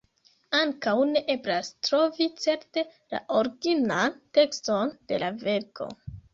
Ankaŭ ne eblas trovi certe la originan tekston de la verko.